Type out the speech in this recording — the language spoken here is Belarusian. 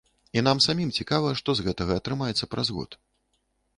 І нам самім цікава, што з гэтага атрымаецца праз год.